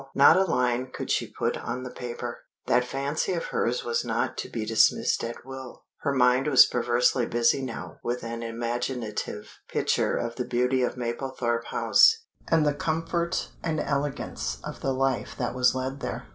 Not a line could she put on the paper. That fancy of hers was not to be dismissed at will. Her mind was perversely busy now with an imaginative picture of the beauty of Mablethorpe House and the comfort and elegance of the life that was led there.